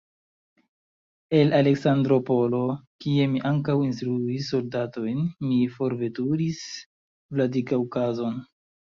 El Aleksandropolo, kie mi ankaŭ instruis soldatojn, mi forveturis Vladikaŭkazon.